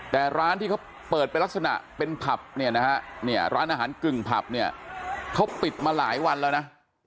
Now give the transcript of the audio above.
แต่ร้านที่เขาเปิดไปลักษณะเป็นผับร้านอาหารกึ่งผับเขาปิดมาหลายวันแล้วนะ